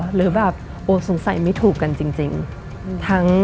หรือสงสัยไม่ถูกกันจริง